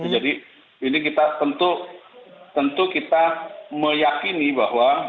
jadi ini kita tentu tentu kita meyakini bahwa